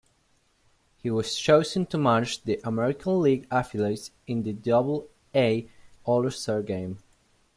He was chosen to manage the American League affiliates in the Double-A All-Star Game.